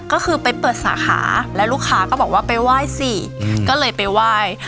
ก็คือไปเปิดสาขาแล้วลูกค้าก็บอกว่าไปไหว้สิก็เลยไปไหว้